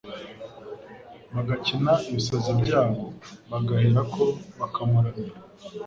bagakira ibisazi byabo bagaherako bakamuramya.